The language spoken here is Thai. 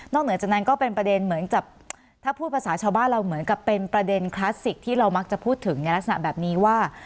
เหนือจากนั้นก็เป็นประเด็นเหมือนกับถ้าพูดภาษาชาวบ้านเราเหมือนกับเป็นประเด็นคลาสสิกที่เรามักจะพูดถึงในลักษณะแบบนี้ว่า